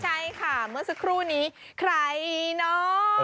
ใช่ค่ะเมื่อสักครู่นี้ใครเนาะ